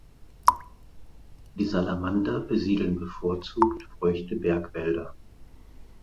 Die Salamander besiedeln bevorzugt feuchte Bergwälder.